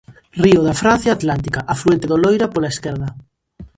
Río da Francia atlántica, afluente do Loira pola esquerda.